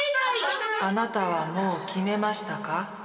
あなたはもう決めましたか？